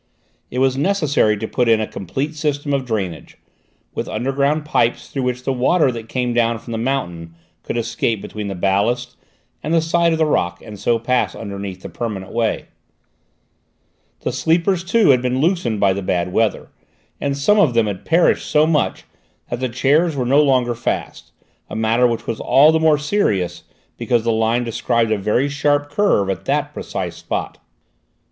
It was necessary to put in a complete system of drainage, with underground pipes through which the water that came down from the mountain could escape between the ballast and the side of the rock and so pass underneath the permanent way. The sleepers, too, had been loosened by the bad weather, and some of them had perished so much that the chairs were no longer fast, a matter which was all the more serious because the line described a very sharp curve at that precise spot.